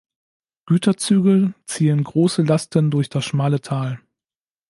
Güterzüge ziehen große Lasten durch das schmale Tal.